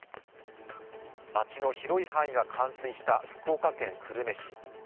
街の広い範囲が冠水した福岡県久留米市。